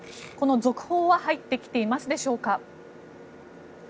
この続報は入ってきていますでしょうか。